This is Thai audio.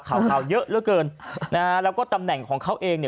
ข่าวข่าวเยอะเหลือเกินนะฮะแล้วก็ตำแหน่งของเขาเองเนี่ย